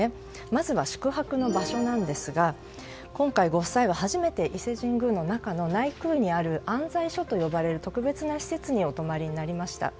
まずは宿泊の場所なんですが今回、ご夫妻は初めて伊勢神宮の中の内宮にある行在所と呼ばれる特別な施設にお泊まりになられました。